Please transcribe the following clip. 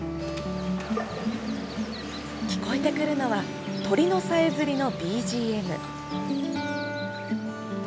聞こえてくるのは鳥のさえずりのＢＧＭ。